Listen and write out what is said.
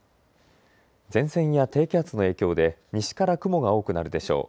前線や低気圧の影響で西から雲が多くなるでしょう。